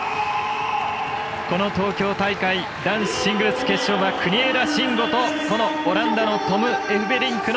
この東京大会男子シングルス決勝は国枝慎吾と、このオランダのトム・エフベリンクの